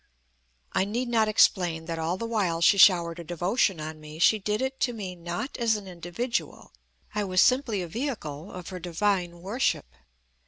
I need not explain that all the while she showered her devotion on me she did it to me not as an individual. I was simply a vehicle of her divine worship.